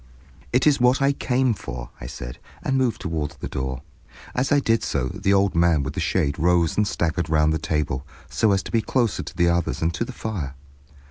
"It is what I came for," I said, and moved toward the door. As I did so, the old man with the shade rose and staggered round the table, so as to be closer to the others and to the fire.